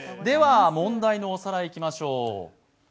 問題のおさらいいきましょう。